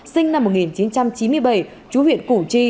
sinh năm một nghìn chín trăm chín mươi bảy chú huyện củ chi